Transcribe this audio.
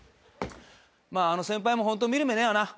まああの先輩もホント見る目ねえよな。